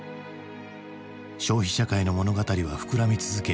消費社会の物語は膨らみ続け